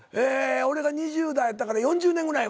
俺が２０代やったから４０年ぐらい前の話。